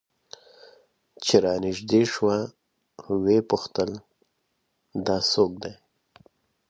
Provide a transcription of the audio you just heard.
چې رانژدې سوه ويې پوښتل دا څوك دى؟